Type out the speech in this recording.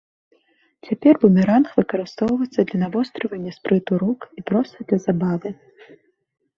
Цяпер бумеранг выкарыстоўваецца для навострывання спрыту рук і проста для забавы.